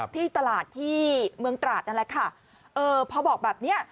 ที่ตลาดที่เมืองตราดนั่นแหละค่ะเออพอบอกแบบเนี้ย